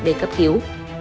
để cấp cứu